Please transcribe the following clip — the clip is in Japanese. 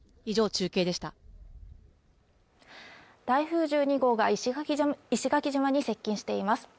中継でした台風１２号が石垣島に接近しています